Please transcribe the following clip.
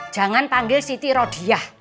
jangan panggil siti rodia